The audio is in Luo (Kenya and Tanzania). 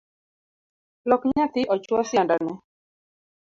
Lok nyathi ochuo siandane